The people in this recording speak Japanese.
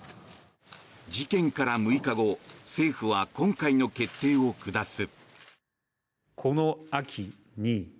事件から６日後政府は今回の決定を下す。